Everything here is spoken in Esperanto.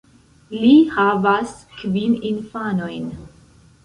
Li havas kvin infanojn.